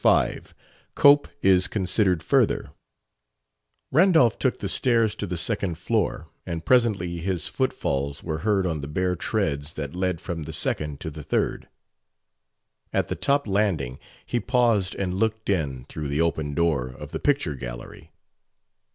5 COPE IS CONSIDERED FURTHER Randolph took the stairs to the second floor, and presently his footfalls were heard on the bare treads that led from the second to the third. At the top landing he paused and looked in through the open door of the picture gallery.